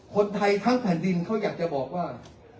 คนไทยทั้งแผ่นดินเขาอยากจะบอกว่า